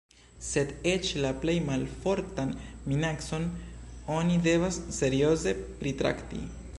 Sed eĉ la plej malfortan minacon oni devas serioze pritrakti.